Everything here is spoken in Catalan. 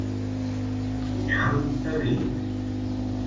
Punyal de Vic!